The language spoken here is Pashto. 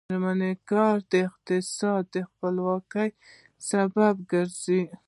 د میرمنو کار د اقتصادي خپلواکۍ سبب ګرځي.